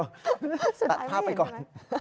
สุดท้ายไม่เห็นเอาภาพไปก่อน